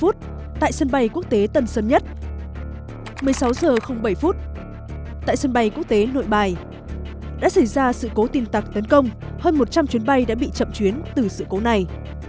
đã xảy ra sự cố tin tặc tấn công hơn một trăm linh chuyến bay đã bị chậm chuyến từ sự cố này